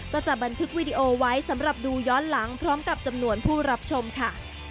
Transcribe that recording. ก็จะบันทึกวีดีโอไว้สำหรับดูย้อนหลังพร้อมกับจำนวนผู้รับชมค่ะ